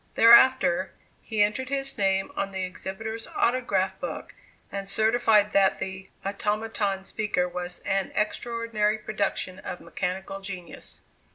Thereafter, he entered his name on the exhibitor's autograph book, and certified that the "Automaton Speaker" was an extraordinary production of mechanical genius.